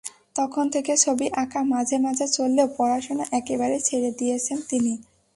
তখন থেকে ছবি আঁকা মাঝে মাঝে চললেও পড়াশোনা একেবারেই ছেড়ে দিয়েছেন তিনি।